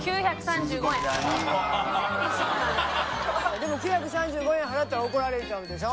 でも９３５円払ったら怒られちゃうんでしょ？